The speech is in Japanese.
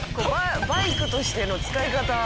バイクとしての使い方。